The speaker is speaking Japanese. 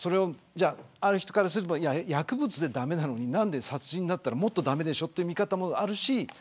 ある人からすると薬物で駄目なのに殺人だったら、もっと駄目でしょという見方もある。